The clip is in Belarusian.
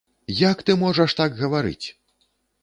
Як ты можаш так гаварыць!